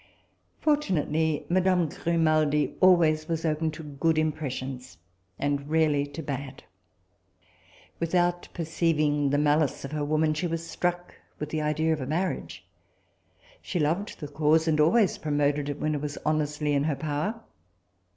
Fortunately madame Grimaldi always was open to good impressions, and rarely to bad. Without perceiving the malice of her woman, she was struck with the idea of a marriage. She loved the cause, and always promoted it when it was honestly in her power.